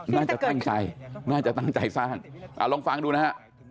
น่าจะตั้งใจน่าจะตั้งใจสร้างลองฟังดูนะฮะ